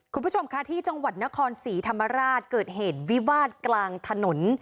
คุณผู้ชมค่ะที่จังหวัดนครศรีธรรมราชเกิดเหตุวิวาสกลางถนน